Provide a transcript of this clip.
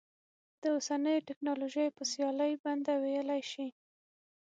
د اوسنیو ټکنالوژیو په سیالۍ بنده ویلی شي.